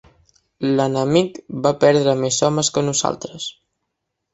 L'enemic va perdre més homes que nosaltres.